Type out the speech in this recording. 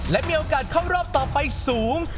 และมีโอกาสเข้ารอบต่อไปสูง